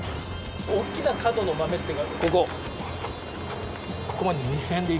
大きな角の豆って書くここ。